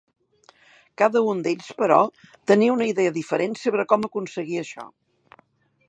Cada un d'ells, però, tenia una idea diferent sobre com aconseguir això.